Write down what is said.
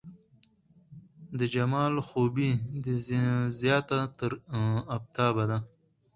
د جمال خوبي دې زياته تر افتاب ده